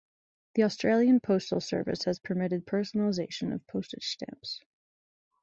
The Austrian Postal Service has permitted personalisation of postage stamps.